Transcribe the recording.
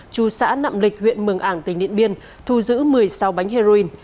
chú xã nậm lịch huyện mường ảng tỉnh điện biên thu giữ một mươi sáu bánh heroin